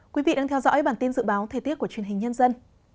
quý vị đang theo dõi bản tin dự báo thời tiết của truyền hình nhân dân